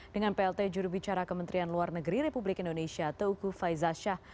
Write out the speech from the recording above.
dengan plt juru bicara kementerian luar negeri republik indonesia teuku faizah shah